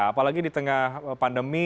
apalagi di tengah pandemi